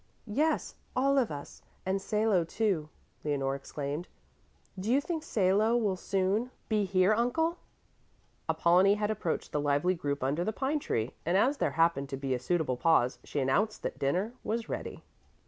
"Yes, all of us, and Salo, too," Leonore exclaimed. "Do you think Salo will soon be here, Uncle?" Apollonie had approached the lively group under the pine tree, and as there happened to be a suitable pause, she announced that dinner was ready.